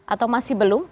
atau masih belum